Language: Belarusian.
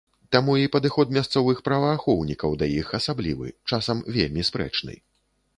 Таму і падыход мясцовых праваахоўнікаў да іх асаблівы, часам, вельмі спрэчны.